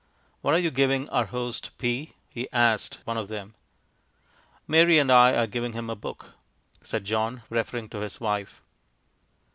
"What are you giving our host P" he asked one of them. "Mary and I are giving him a book," said John, referring to his wife.